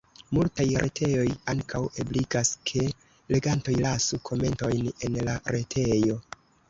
Multaj retejoj ankaŭ ebligas ke legantoj lasu komentojn en la retejo.